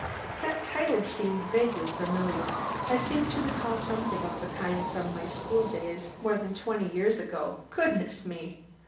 That title seemed vaguely familiar. I seemed to recall something of the kind from my school days more than twenty years ago, goodness me!